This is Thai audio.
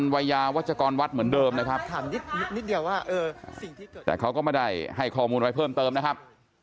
วาชกรวัดเหมือนเดิมนะครับแต่เขาก็ไม่ได้ให้ข้อมูลไปเพิ่มเติมนะครับ